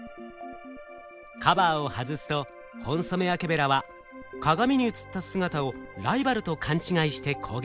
カバーを外すとホンソメワケベラは鏡に映った姿をライバルと勘違いして攻撃。